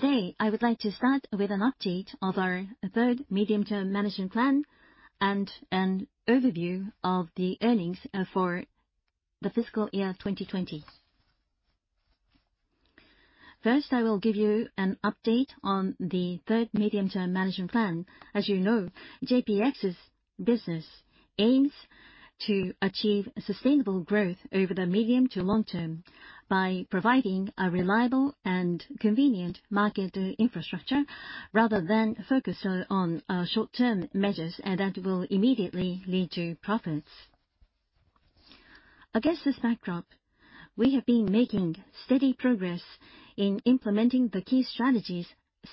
Today, I would like to start with an update of our Third Medium-Term Management Plan and an overview of the earnings for the fiscal year 2020. First, I will give you an update on the Third Medium-Term Management Plan. As you know, JPX's business aims to achieve sustainable growth over the medium to long term by providing a reliable and convenient market infrastructure, rather than focus on short-term measures that will immediately lead to profits. Against this backdrop, we have been making steady progress in implementing the key strategies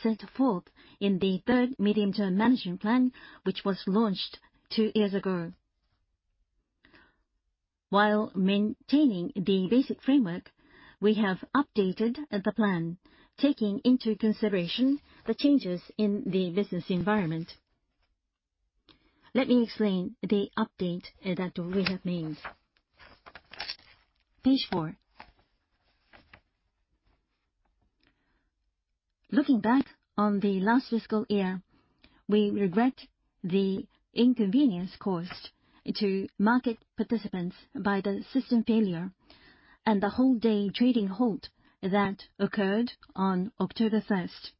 set forth in the Third Medium-Term Management Plan, which was launched two years ago. While maintaining the basic framework, we have updated the plan, taking into consideration the changes in the business environment. Let me explain the update that we have made. Page four. Looking back on the last fiscal year, we regret the inconvenience caused to market participants by the system failure and the whole day trading halt that occurred on October 1st.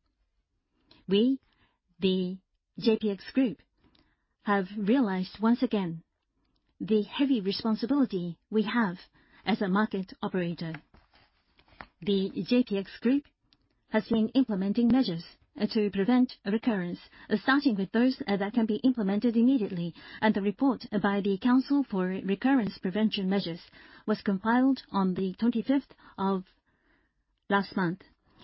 We, the JPX Group, have realized once again the heavy responsibility we have as a market operator. The JPX Group has been implementing measures to prevent a recurrence, starting with those that can be implemented immediately, and the report by the Council for Recurrence Prevention Measures was compiled on the 25th of last month.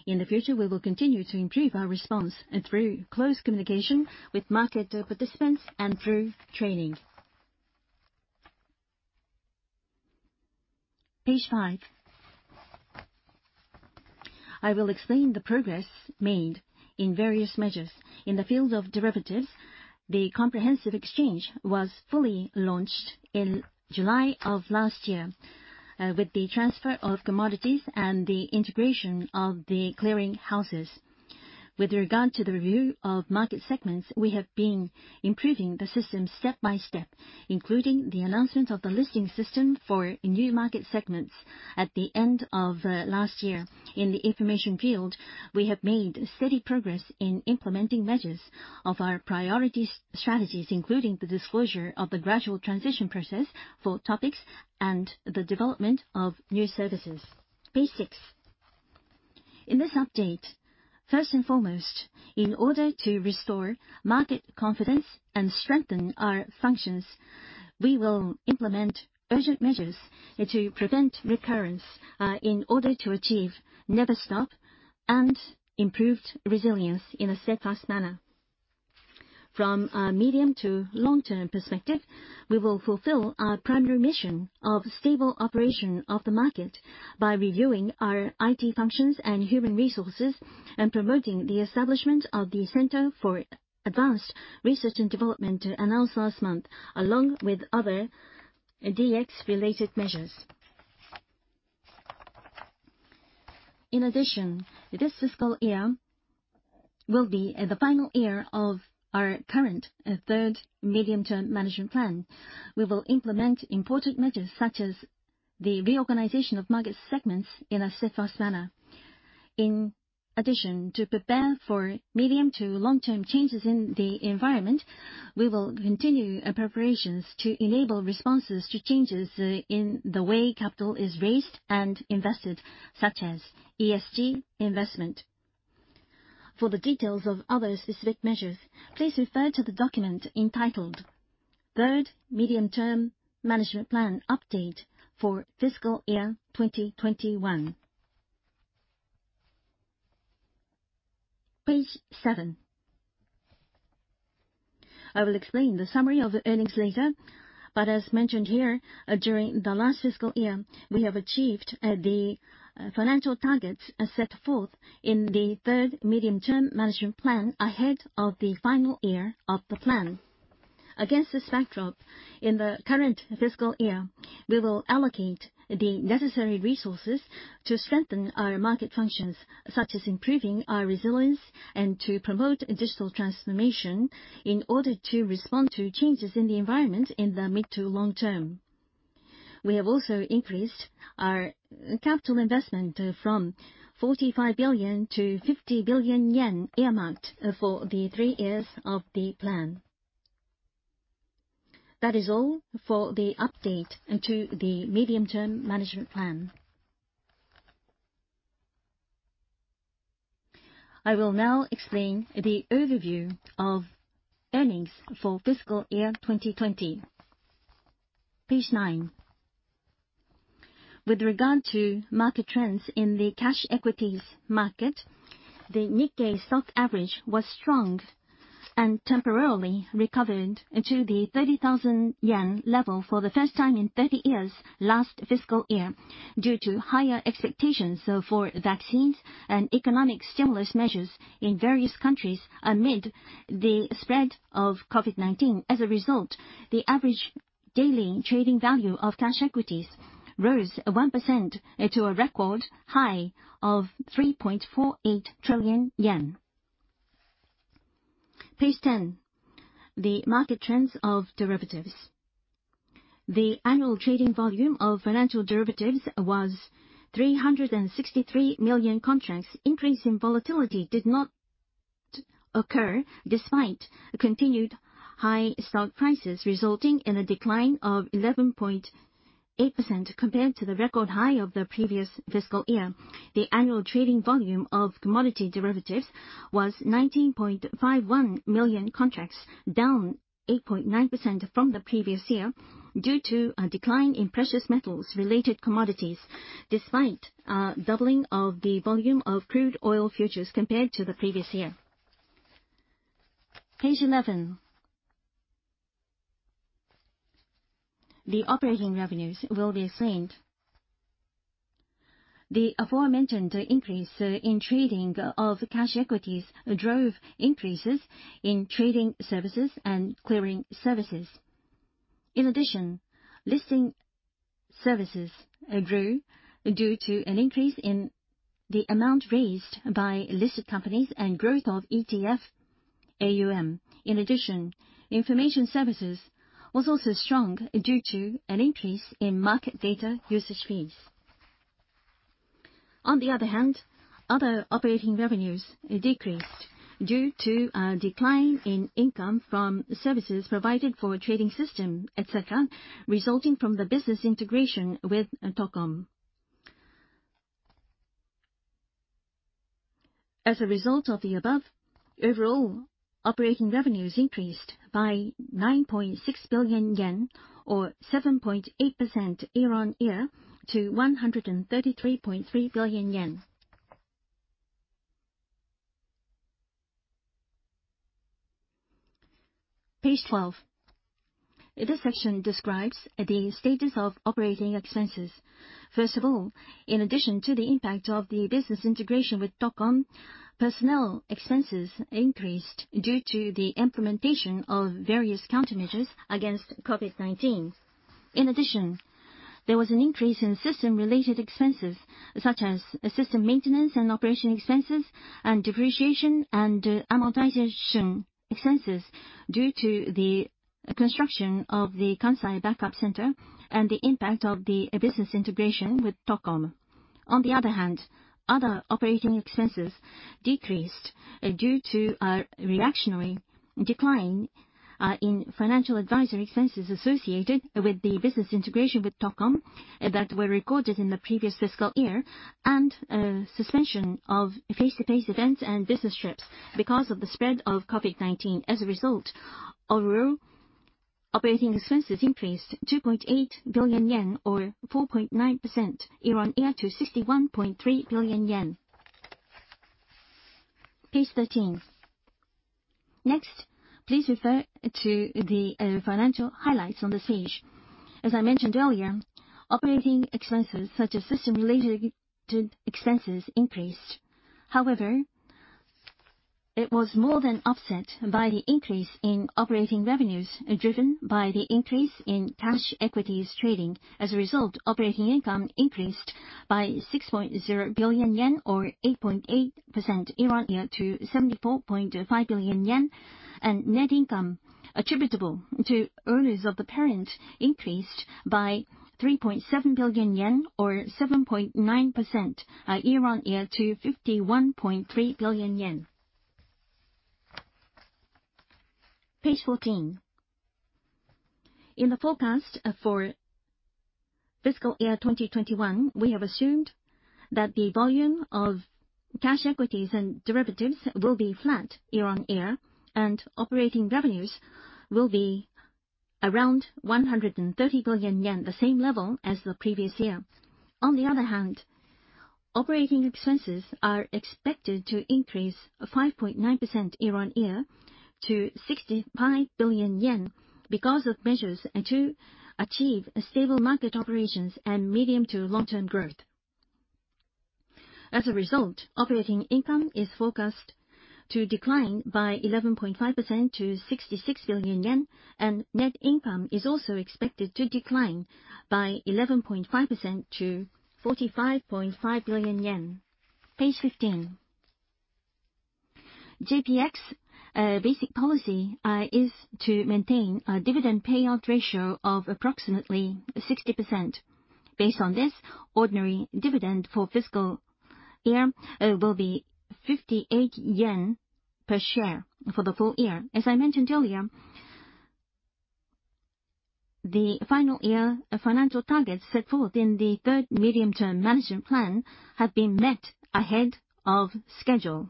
In the future, we will continue to improve our response through close communication with market participants and through training. Page five. I will explain the progress made in various measures. In the field of derivatives, the comprehensive exchange was fully launched in July of last year with the transfer of commodities and the integration of the clearing houses. With regard to the review of market segments, we have been improving the system step by step, including the announcement of the listing system for new market segments at the end of last year. In the information field, we have made steady progress in implementing measures of our priority strategies, including the disclosure of the gradual transition process for TOPIX and the development of new services. Page six. In this update, first and foremost, in order to restore market confidence and strengthen our functions, we will implement urgent measures to prevent recurrence in order to achieve never stop and improved resilience in a steadfast manner. From a medium to long-term perspective, we will fulfill our primary mission of stable operation of the market by reviewing our IT functions and human resources and promoting the establishment of the Center for Advanced Research and Development announced last month, along with other DX-related measures. This fiscal year will be the final year of our current Third Medium-Term Management Plan. We will implement important measures such as the reorganization of market segments in a steadfast manner. To prepare for medium to long-term changes in the environment, we will continue preparations to enable responses to changes in the way capital is raised and invested, such as ESG investment. For the details of other specific measures, please refer to the document entitled Third Medium-Term Management Plan Update for Fiscal Year 2021. Page seven. I will explain the summary of the earnings later, but as mentioned here, during the last fiscal year, we have achieved the financial targets as set forth in the Third Medium-Term Management Plan ahead of the final year of the plan. Against this backdrop, in the current fiscal year, we will allocate the necessary resources to strengthen our market functions, such as improving our resilience and to promote digital transformation in order to respond to changes in the environment in the mid to long term. We have also increased our capital investment from 45 billion to 50 billion yen for the three years of the plan. That is all for the update to the Medium-Term Management Plan. I will now explain the overview of earnings for fiscal year 2020. Page nine. With regard to market trends in the cash equities market, the Nikkei Stock Average was strong and temporarily recovered to the 30,000 yen level for the first time in 30 years last fiscal year due to higher expectations for vaccines and economic stimulus measures in various countries amid the spread of COVID-19. As a result, the average Daily trading value of cash equities rose 1% to a record high of 3.48 trillion. Page 10, the market trends of derivatives. The annual trading volume of financial derivatives was 363 million contracts. Increase in volatility did not occur despite continued high stock prices, resulting in a decline of 11.8% compared to the record high of the previous fiscal year. The annual trading volume of commodity derivatives was 19.51 million contracts, down 8.9% from the previous year due to a decline in precious metals-related commodities despite a doubling of the volume of crude oil futures compared to the previous year. Page 11. The operating revenues will be explained. The aforementioned increase in trading of cash equities drove increases in trading services and clearing services. Listing services grew due to an increase in the amount raised by listed companies and growth of ETF AUM. Information services was also strong due to an increase in market data usage fees. Other operating revenues decreased due to a decline in income from services provided for trading system, et cetera, resulting from the business integration with TOCOM. As a result of the above, overall operating revenues increased by 9.6 billion yen, or 7.8% year-on-year, to 133.3 billion yen. Page 12. This section describes the status of operating expenses. First of all, in addition to the impact of the business integration with TOCOM, personnel expenses increased due to the implementation of various countermeasures against COVID-19. In addition, there was an increase in system-related expenses such as system maintenance and operation expenses and depreciation and amortization expenses due to the construction of the Kansai Backup Center and the impact of the business integration with TOCOM. On the other hand, other operating expenses decreased due to a reactionary decline in financial advisory expenses associated with the business integration with TOCOM that were recorded in the previous fiscal year and a suspension of face-to-face events and business trips because of the spread of COVID-19. As a result, overall operating expenses increased 2.8 billion yen, or 4.9% year-on-year, to 61.3 billion yen. Page 13. Next, please refer to the financial highlights on this page. As I mentioned earlier, operating expenses such as system-related expenses increased. It was more than offset by the increase in operating revenues driven by the increase in cash equities trading. As a result, operating income increased by 6.0 billion yen, or 8.8% year-on-year, to 74.5 billion yen, and net income attributable to ownersof the parent increased by 3.7 billion yen, or 7.9% year-on-year, to 51.3 billion yen. Page 14. In the forecast for fiscal year 2021, we have assumed that the volume of cash equities and derivatives will be flat year-on-year and operating revenues will be around 130 billion yen, the same level as the previous year. Operating expenses are expected to increase 5.9% year-on-year to 65 billion yen because of measures to achieve stable market operations and medium to long-term growth. As a result, operating income is forecast to decline by 11.5% to 66 billion yen, and net income is also expected to decline by 11.5% to 45.5 billion yen. Page 15. JPX basic policy is to maintain a dividend payout ratio of approximately 60%. Based on this, ordinary dividend for fiscal year will be 58 yen per share for the full year. As I mentioned earlier, the final year financial targets set forth in the Third Medium-Term Management Plan have been met ahead of schedule.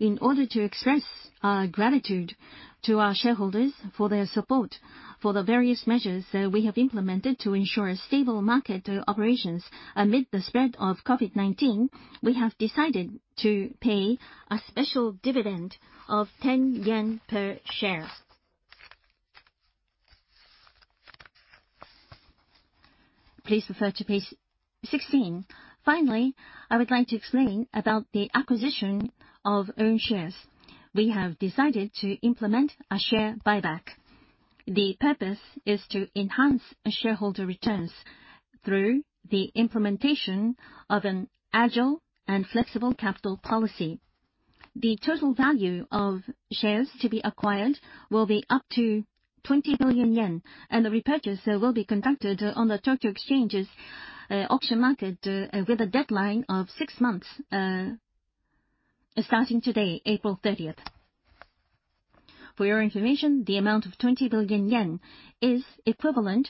In order to express our gratitude to our shareholders for their support for the various measures that we have implemented to ensure stable market operations amid the spread of COVID-19, we have decided to pay a special dividend of 10 yen per share. Please refer to page 16. Finally, I would like to explain about the acquisition of own shares. We have decided to implement a share buyback. The purpose is to enhance shareholder returns through the implementation of an agile and flexible capital policy. The total value of shares to be acquired will be up to 20 billion yen, and the repurchase will be conducted on the Tokyo Stock Exchange's auction market with a deadline of six months, starting today, April 30th. For your information, the amount of 20 billion yen is equivalent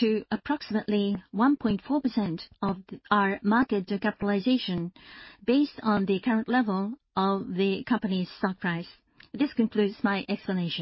to approximately 1.4% of our market capitalization based on the current level of the company's stock price. This concludes my explanation.